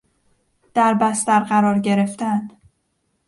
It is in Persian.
در بستر قرار گرفتن